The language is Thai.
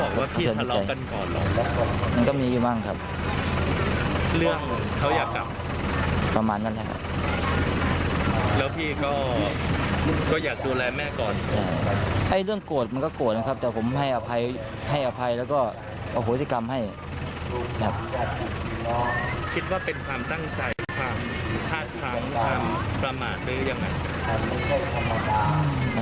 ใจความห้าคำความประหมาตรหรือยังไง